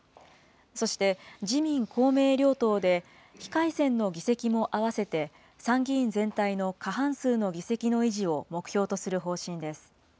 そして、自民、公明両党で、非改選の議席も合わせて、参議院全体の過半数の議席の維持を目標とする方針です。